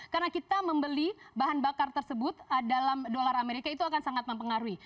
karena kita membeli bahan bakar tersebut dalam dolar amerika itu akan sangat mempengaruhi